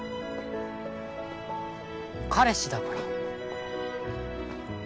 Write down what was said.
彼氏だからえっ？